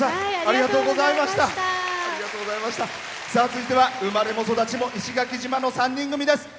続いては生まれも育ちも石垣島の３人組です。